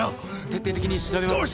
徹底的に調べます。